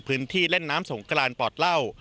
พื้นที่เล่นน้ำสงกรานปอดเหล้า